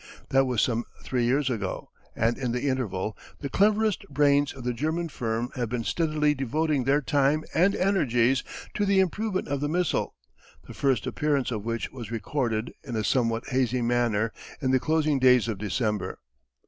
That was some three years ago, and in the interval the cleverest brains of the German firm have been steadily devoting their time and energies to the improvement of the missile, the first appearance of which was recorded, in a somewhat hazy manner, in the closing days of December.